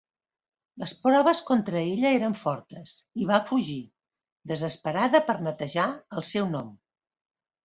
Les proves contra ella eren fortes i va fugir, desesperada per netejar el seu nom.